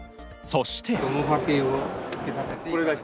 そして。